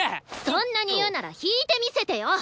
そんなに言うなら弾いて見せてよ。